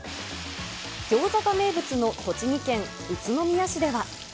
ギョーザが名物の栃木県宇都宮市では。